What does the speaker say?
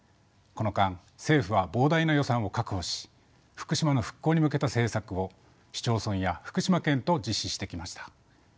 この間政府は膨大な予算を確保し福島の復興に向けた政策を市町村や福島県と実施してきました。